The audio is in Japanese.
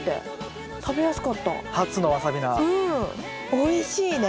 おいしいね。